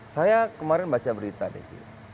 saya kemarin baca berita desi